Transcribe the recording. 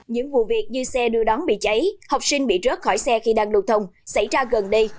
những vụ việc như xe đưa đón bị cháy học sinh bị rớt khỏi xe khi đang đột thông xảy ra gần đây